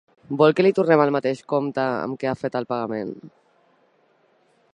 Vol que li tornem al mateix compte amb què ha fet el pagament?